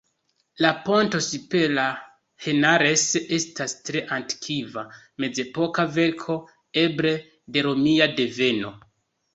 La ponto super la Henares estas tre antikva, mezepoka verko, eble de romia deveno.